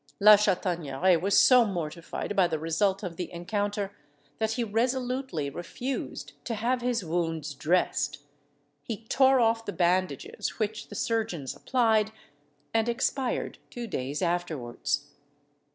_" La Chataigneraie was so mortified by the result of the encounter, that he resolutely refused to have his wounds dressed. He tore off the bandages which the surgeons applied, and expired two days afterwards.